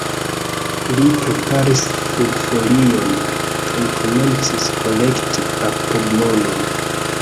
Li preparis flugfolion kaj komencis kolekti apogmonon.